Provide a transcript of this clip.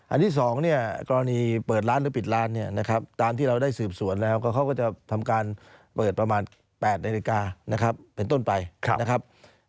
ที่๒เนี่ยกรณีเปิดร้านหรือปิดร้านเนี่ยนะครับตามที่เราได้สืบสวนแล้วก็เขาก็จะทำการเปิดประมาณ๘นาฬิกานะครับเป็นต้นไปนะครับ